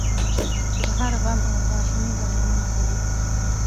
چې د هر غم او خواشینی درملنه کوي.